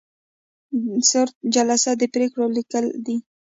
صورت جلسه د پریکړو لیکل دي